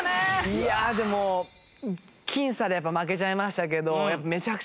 いやでも僅差でやっぱ負けちゃいましたけど。